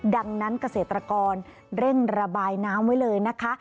ดังนั้นเกษตรกรเร่งระบายน้ำไว้เลยนะคะ